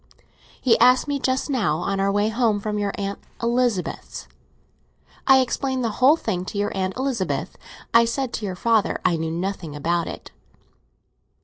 He asked me just now, on our way home from your Aunt Elizabeth's. I explained the whole thing to your Aunt Elizabeth. I said to your father I know nothing about it."